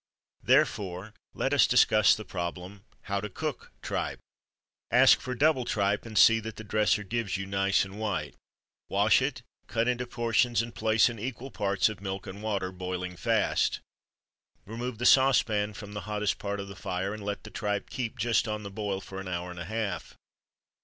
Therefore let us discuss the problem How to Cook Tripe. Ask for "double tripe," and see that the dresser gives it you nice and white. Wash it, cut into portions, and place in equal parts of milk and water, boiling fast. Remove the saucepan from the hottest part of the fire, and let the tripe keep just on the boil for an hour and a half.